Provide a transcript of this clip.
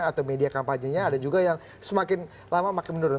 atau media kampanyenya ada juga yang semakin lama makin menurun